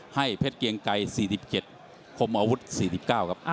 ให้เพชรเกียงไกร๔๗คมอาวุธ๔๙ครับ